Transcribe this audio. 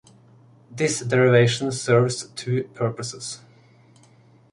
This derivation serves two purposes.